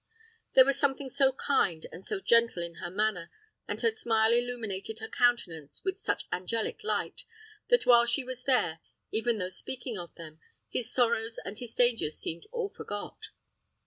There was something so kind and so gentle in her manner, and her smile illuminated her countenance with such angelic light, that while she was there, even though speaking of them, his sorrows and his dangers seemed all forgot.